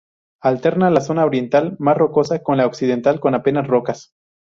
Alterna la zona oriental, más rocosa, con la occidental con apenas rocas.